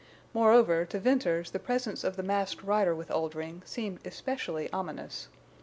Moreover, to Venters the presence of the masked rider with Oldring seemed especially ominous.